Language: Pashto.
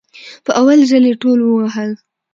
په اول ځل يي ټول ووهل